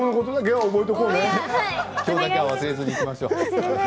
今日だけは忘れずにいきましょう。